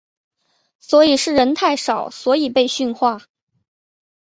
所以是人太少所以被训话？